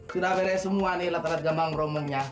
sudah beres semua nih latar latar gambang grombongnya